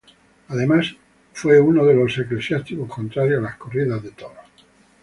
Fue, además, uno de los eclesiásticos contrarios a las corridas de toros.